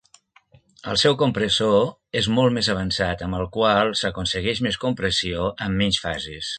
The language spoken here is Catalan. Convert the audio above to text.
El seu compressor és molt més avançat, amb el qual s'aconsegueix més compressió amb menys fases.